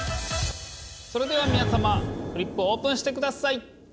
それではみなさまフリップをオープンしてください。